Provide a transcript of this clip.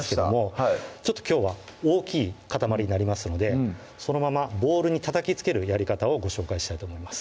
はいちょっときょうは大きい塊になりますのでそのままボウルにたたきつけるやり方をご紹介したいと思います